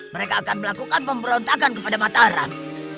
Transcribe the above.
mereka akan melakukan pemberontakan kepada mataram